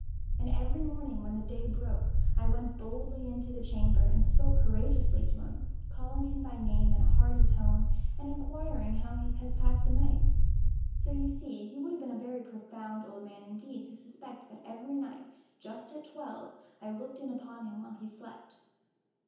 And every morning, when the day broke, I went boldly into the chamber, and spoke courageously to him, calling him by name in a hearty tone, and inquiring how he has passed the night. So you see he would have been a very profound old man, indeed, to suspect that every night, just at twelve, I looked in upon him while he slept.